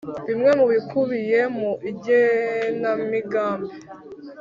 Bimwe mu bikubiye mu igenamigambi